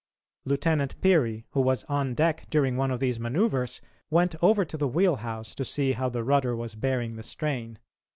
Lieutenant Peary, who was on deck during one of these manoeuvres, went over to the wheelhouse to see how the rudder was bearing the strain.